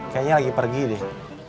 kayaknya lagi pergi deh